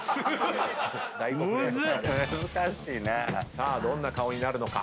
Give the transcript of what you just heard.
さあどんな顔になるのか？